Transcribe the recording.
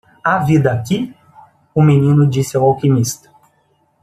"Há vida aqui?" o menino disse ao alquimista.